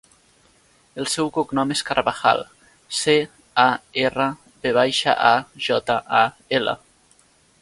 El seu cognom és Carvajal: ce, a, erra, ve baixa, a, jota, a, ela.